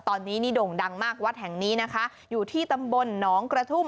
ตอนนี้นี่โด่งดังมากวัดแห่งนี้นะคะอยู่ที่ตำบลหนองกระทุ่ม